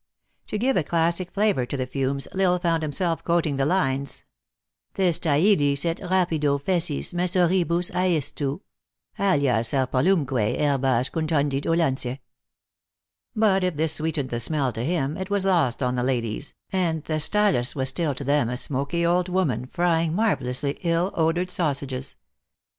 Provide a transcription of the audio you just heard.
To give a classic flavor to the fumes, L Isle found himself quoting the lines :" ThestyUs et rapido fessis messoribus aestu Allia serpyllumque herbas conlundit olentes." But, if this sweetened the smell to him, it was lost on the ladies, and Thestylis was still to them a smoky old woman, frying, marvelously, ill odored sausages.